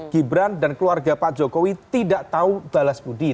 gibran dan keluarga pak jokowi tidak tahu balas budi